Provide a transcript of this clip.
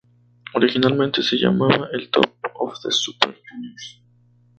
Originalmente se llamaba el Top of the Super Juniors.